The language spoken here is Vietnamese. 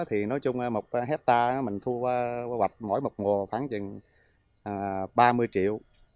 hết ta mình thu hoạch mỗi một mùa khoảng chừng ba mươi triệu